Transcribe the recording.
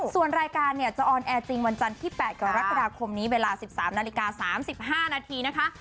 ส่วนรายการเนี่ยจะออนแอร์จริงวันจันทร์ที่๘กรกฎาคมนี้เวลา๑๓นาฬิกา๓๕นาทีนะคะ